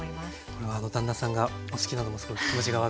これは旦那さんがお好きなのもすごい気持ちが分かります。